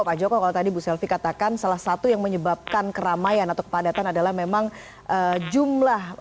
pak joko kalau tadi bu selvi katakan salah satu yang menyebabkan keramaian atau kepadatan adalah memang jumlah